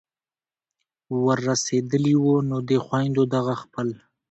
ور رسېدلي وو نو دې خویندو دغه خپل